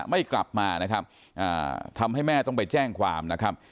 ไม่กลับมานะครับทำให้แม่ต้องไปแจ้งความนะครับ